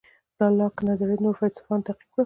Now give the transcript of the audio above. د لاک نظریه نورو فیلیسوفانو تعقیب کړه.